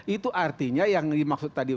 itu artinya yang dimaksud tadi